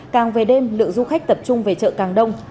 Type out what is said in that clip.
càng về đêm lượng du khách tập trung về chợ càng đông